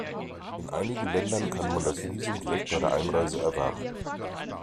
In einigen Ländern kann man das Visum direkt bei der Einreise erwerben.